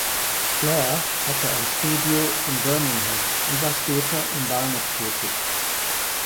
Clare hatte ein Studio in Birmingham und war später in Barnet tätig.